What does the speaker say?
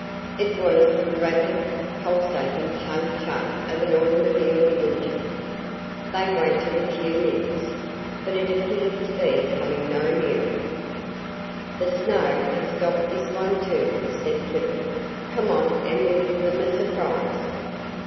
It was the rapid, pulsating chug chug of an automobile engine. They waited a few minutes, but it appeared to be coming no nearer. "The snow has stopped this one, too," said Clifford. "Come on and we'll give them a surprise."